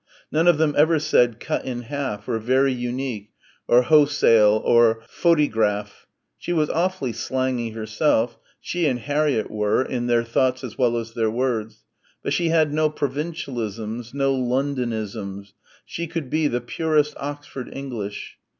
None of them ever said "cut in half" or "very unique" or "ho'sale" or "phodygraff." She was awfully slangy herself she and Harriett were, in their thoughts as well as their words but she had no provincialisms, no Londonisms she could be the purest Oxford English.